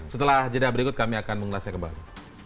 setelah jeda berikut kami akan mengulasnya kembali